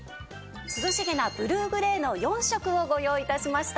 涼しげなブルーグレーの４色をご用意致しました。